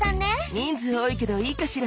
人数多いけどいいかしら。